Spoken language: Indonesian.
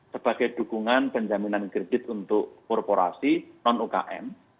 sebagai dukungan penjaminan kredit untuk korporasi non ukm